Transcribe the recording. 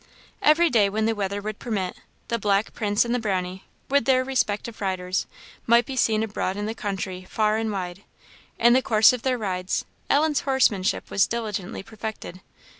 Every day, when the weather would permit, the Black Prince and the Brownie, with their respective riders, might be seen abroad in the country, far and wide. In the course of their rides, Ellen's horsemanship was diligently perfected.